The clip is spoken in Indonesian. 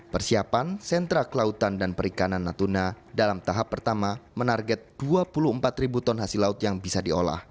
persiapan sentra kelautan dan perikanan natuna dalam tahap pertama menarget dua puluh empat ribu ton hasil laut yang bisa diolah